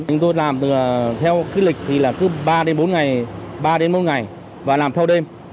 chúng tôi làm theo kế lịch thì là cứ ba bốn ngày ba đến bốn ngày và làm theo đêm